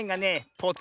ポツ？